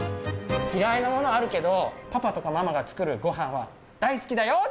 嫌いなものあるけどパパとかママが作るごはんは大好きだよっていう人？